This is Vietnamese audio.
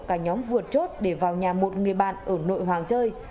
cả nhóm vượt chốt để vào nhà một người bạn ở nội hoàng chơi